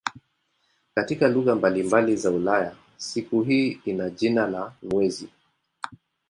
Katika lugha mbalimbali za Ulaya siku hii ina jina la "mwezi".